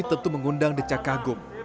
tentu mengundang decah kagum